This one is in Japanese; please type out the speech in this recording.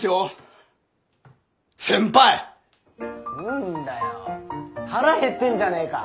何だよ腹減ってんじゃねえか。